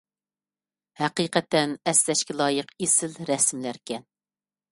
ھەقىقەتەن ئەسلەشكە لايىق ئېسىل رەسىملەركەن.